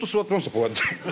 こうやって。